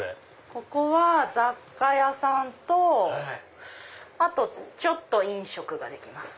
ここは雑貨屋さんとあとちょっと飲食ができます。